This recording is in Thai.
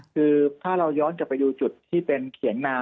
คือถ้าเราย้อนกลับไปดูจุดที่เป็นเขียงนาม